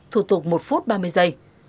thủ tục một phút ba mươi giây